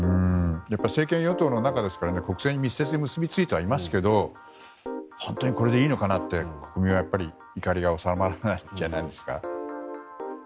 やっぱり政権・与党の中ですから密接に結びついていますけど本当にこれでいいのかなって国民は怒りが収まらないんじゃないですか。